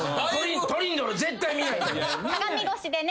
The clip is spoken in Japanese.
トリンドル絶対見ないでね。